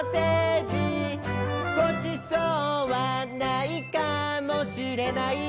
「ごちそうはないかもしれない」